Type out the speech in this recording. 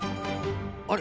あれ？